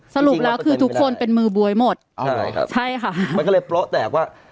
สรุปแล้วคือทุกคนเป็นมือบ๊วยหมดอ่าใช่ครับใช่ค่ะมันก็เลยโป๊ะแตกว่า